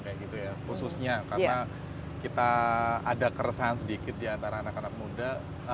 khususnya karena kita ada keresahan sedikit di antara anak anak muda